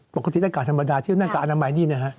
ปกติในอากาศธรรมดาที่ใช้ในอากาศอนามัย